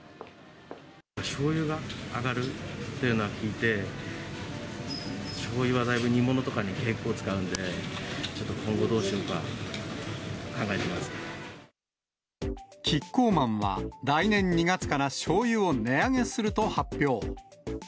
しょうゆが上がるっていうのを聞いて、しょうゆはだいぶ、煮物とかに結構使うんで、ちょっと今後どうしようか、考えていまキッコーマンは来年２月からしょうゆを値上げすると発表。